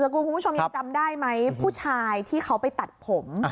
คุณผู้ชมยังจำได้ไหมผู้ชายที่เขาไปตัดผม